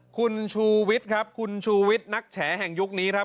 คุณชูวิทย์ครับคุณชูวิทย์นักแฉแห่งยุคนี้ครับ